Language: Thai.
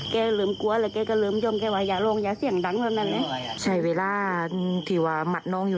เขาก็ไม่รู้กับอะไรก็ไม่ได้กลืมน้ำซักหน่อย